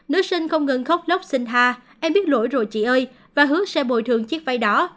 nữ sinh không ngừng khóc lóc xin tha em biết lỗi rồi chị ơi và hứa sẽ bồi thường chiếc váy đó